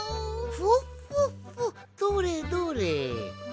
フォッフォッフォッどれどれ？